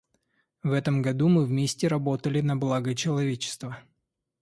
В этом году мы вместе работали на благо человечества.